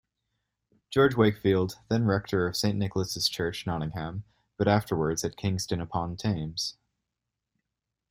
George Wakefield, then rector of Saint Nicholas' Church, Nottingham but afterwards at Kingston-upon-Thames.